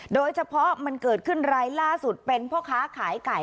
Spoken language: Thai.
โดยเฉพาะมันเกิดขึ้นรายล่าสุดเป็นพ่อค้าขายไก่